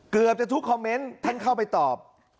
เกือบจะทุกคอมเมนต์ท่านเข้าไปตอบ